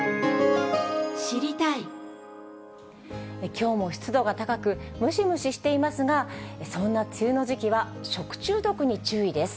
きょうも湿度が高く、ムシムシしていますが、そんな梅雨の時期は食中毒に注意です。